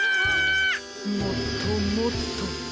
もっともっと。